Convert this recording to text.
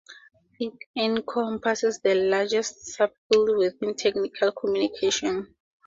It encompasses the largest sub-field within technical communication.